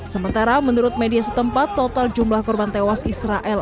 sementara menurut media setempat total jumlah korban tewas israel